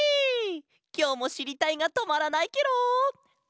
きょうもしりたいがとまらないケロ！